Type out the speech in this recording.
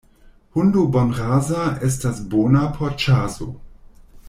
Hundo bonrasa estas bona por ĉaso.